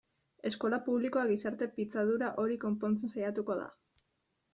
Eskola publikoa gizarte pitzadura hori konpontzen saiatuko da.